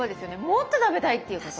もっと食べたい！っていうこと。